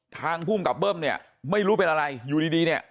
ทางภูมิกับเบิ้มเนี่ยไม่รู้เป็นอะไรอยู่ดีเนี่ย